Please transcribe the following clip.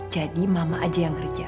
jadi mama aja yang kerja